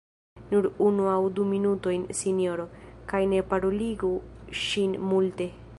Nur unu aŭ du minutojn, sinjoro; kaj ne paroligu ŝin multe.